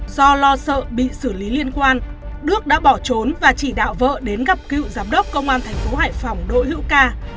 do lo sợ bị xử lý liên quan đức đã bỏ trốn và chỉ đạo vợ đến gặp cựu giám đốc công an thành phố hải phòng đỗ hữu ca